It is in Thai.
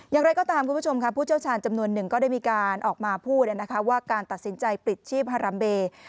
อย่างไรก็ตามคุณผู้ชมค่ะผู้เชี่ยวชาญจำนวนหนึ่งก็ได้มีการออกมาพูดว่าการตัดสินใจปลิดชีพฮารัมเบย์